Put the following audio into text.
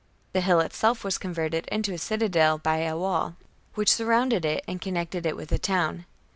The hill itself was converted into a citadel by a wall, which surrounded it and connected it with the town.